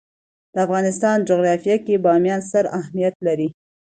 د افغانستان جغرافیه کې بامیان ستر اهمیت لري.